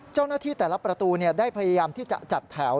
เจ้าหน้าที่แต่ละประตูได้พยายามที่จะจัดแถว